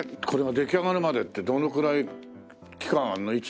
これが出来上がるまでってどのくらい期間あるの？